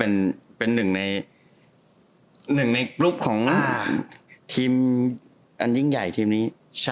เป็นหนึ่งในหนึ่งในกรุ๊ปของทีมอันยิ่งใหญ่ทีมนี้